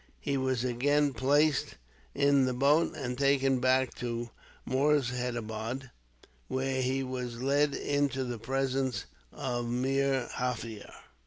He was again placed in the boat, and taken back to Moorshedabad, where he was led into the presence of Meer Jaffier.